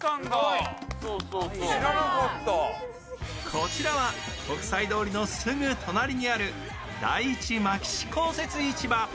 こちらは国際通りのすぐ隣にある第一牧志公設市場。